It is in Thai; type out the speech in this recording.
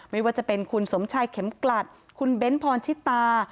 ไม่ว่าจะเป็นคุณสมชายเข็มกลัดคุณเบ้นพรชิตา